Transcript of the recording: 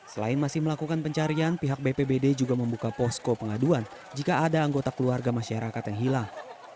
selain masih melakukan pencarian pihak bpbd juga membuka posko pengaduan jika ada anggota keluarga masyarakat yang hilang